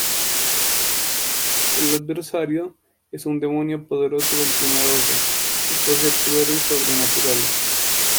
El Adversario es un demonio poderoso del primer orden y posee poderes sobrenaturales.